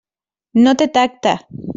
No té tacte.